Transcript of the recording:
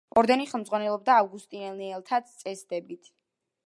ორდენი ხელმძღვანელობდა ავგუსტინელთა წესდებით.